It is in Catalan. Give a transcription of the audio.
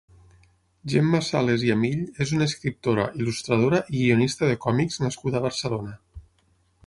Gemma Sales i Amill és una escriptora, il·lustradora i guionista de còmics nascuda a Barcelona.